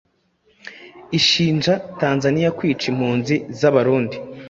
ishinja tanzania kwica impunzi z'abarundi